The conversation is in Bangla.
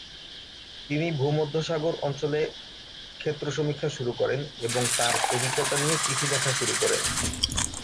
তিনি ভূমধ্যসাগর অঞ্চলে ক্ষেত্র সমীক্ষা শুরু করেন এবং তাঁর অভিজ্ঞতা নিয়ে চিঠি লেখা শুরু করেন।